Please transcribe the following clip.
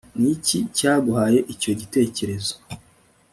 ni iki cyaguhaye icyo gitekerezo